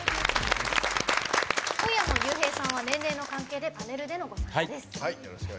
今夜もＲＹＵＨＥＩさんは年齢の関係でパネルでのご出演です。